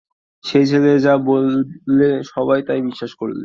সেই ছেলে যা বললে সবাই তাই বিশ্বাস করলে।